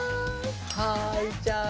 はいちゃん！